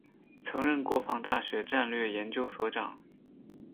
曾任国防大学战略研究所长。